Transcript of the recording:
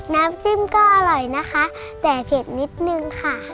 น้ำจิ้มก็อร่อยนะคะแต่เผ็ดนิดนึงค่ะ